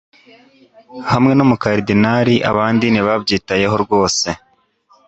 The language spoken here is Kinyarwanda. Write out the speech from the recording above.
hamwe n'umukaridinari abandi ntibabyitayeho rwose